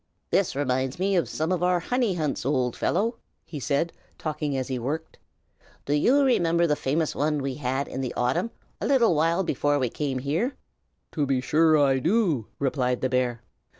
"This reminds me of some of our honey hunts, old fellow!" he said, talking as he worked. "Do you remember the famous one we had in the autumn, a little while before we came here?" "To be sure I do!" replied the bear.